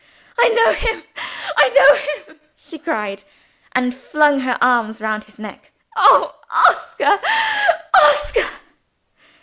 "I know him! I know him!" she cried and flung her arms round his neck. "Oh, Oscar! Oscar!"